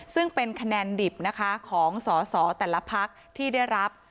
ซึ่งเป็นคะแนนดิบนะคะของสอสอแต่ละพักที่ได้รับ